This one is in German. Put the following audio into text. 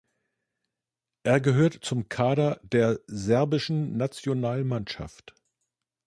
Er gehört zum Kader der serbischen Nationalmannschaft.